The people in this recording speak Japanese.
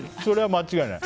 間違いない。